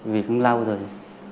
vì không lâu rồi